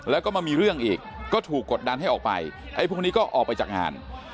แล้วก็มามีเรื่องอีกก็ถูกกดดันให้ออกไปไอ้พวกนี้ก็ออกไปจากงาน